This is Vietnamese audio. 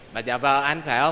bà già vào ở anh phải không